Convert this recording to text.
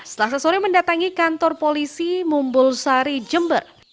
setelah sesuai mendatangi kantor polisi mumbulsari jember